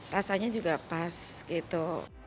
rasanya juga pas gitu